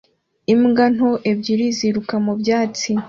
Imbwa nto ebyiri ziruka mu byatsi